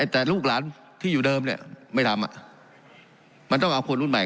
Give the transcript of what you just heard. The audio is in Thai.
แต่ลูกหลานที่อยู่เดิมไม่ทำมันต้องเอาคนรุ่นใหม่